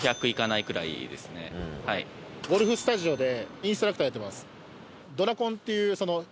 ゴルフスタジオでインストラクターやってます。